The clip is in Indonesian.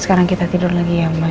sekarang kita tidur lagi ya oma ya